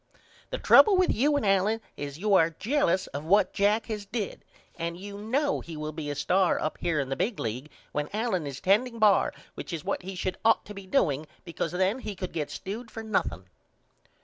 The trouble with you and Allen is you are jellous of what Jack has did and you know he will be a star up here in the big league when Allen is tending bar which is what he should ought to be doing because then he could get stewed for nothing.